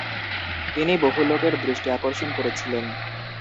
তিনি বহু লোকের দৃষ্টি আকর্ষণ করেছিলেন।